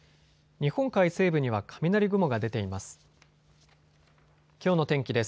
日本海西部には雷雲が出ています。